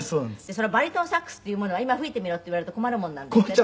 「そのバリトンサックスっていうものは“今吹いてみろ”って言われると困るものなんですって？」